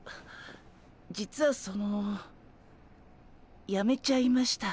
実はそのやめちゃいました。